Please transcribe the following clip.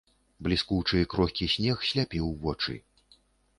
Бліскучы і крохкі снег сляпіў вочы.